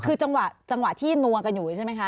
คือจังหวะที่นวงกันอยู่ใช่ไหมคะ